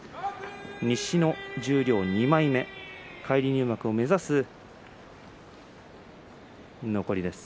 西の十両２枚目返り入幕を目指す残りです。